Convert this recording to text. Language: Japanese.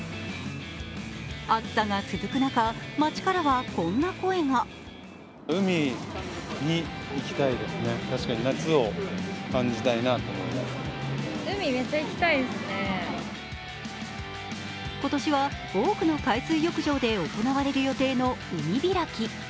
暑さが続く中、街からはこんな声が今年は多くの海水浴場で行われる予定の海開き。